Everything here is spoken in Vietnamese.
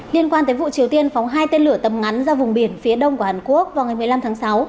liên quan tới vụ triều tiên phóng hai tên lửa tầm ngắn ra vùng biển phía đông của hàn quốc vào ngày một mươi năm tháng sáu